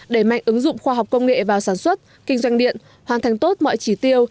đẩy mạnh ứng dụng khoa học công nghệ vào sản xuất kinh doanh điện hoàn thành tốt mọi chỉ tiêu